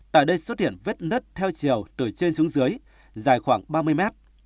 tại đây xuất hiện vết nứt theo chiều từ trên xuống dưới dài khoảng ba mươi mét